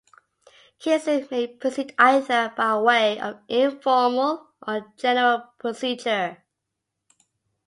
Cases may proceed either by way of Informal or General Procedure.